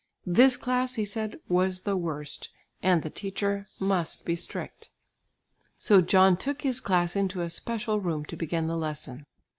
This class, he said, was the worst, and the teacher must be strict. So John took his class into a special room to begin the lesson.